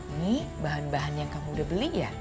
ini bahan bahan yang kamu udah beli ya